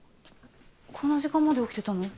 こんな時間まで起きてたの？